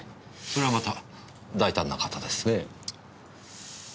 それはまた大胆な方ですね。